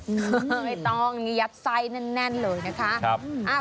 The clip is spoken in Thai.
ไม่ต้องนี่ยัดไส้แน่นเลยนะคะ